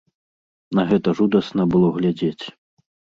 На гэта жудасна было глядзець.